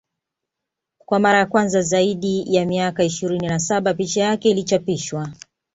Kwa mara ya kwanza zaidi ya miaka ishirini na saba picha yake ilichapishwa